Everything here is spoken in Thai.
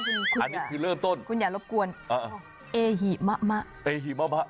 อันนี้คือเริ่มต้นคุณอย่ารบกวนเอหิมะมะเอหิมะมะ